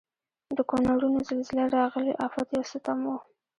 د کونړونو زلزله راغلي افت یو ستم و.